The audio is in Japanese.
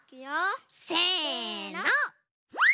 せの！